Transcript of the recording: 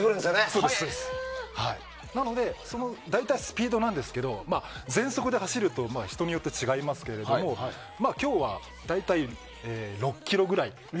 そう、だから大体スピードなんですけど全速で走ると人によって違いますが今日は大体、６キロぐらい。